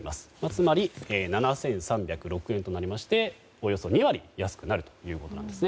つまり、７３０６円となりましておよそ２割安くなるということです。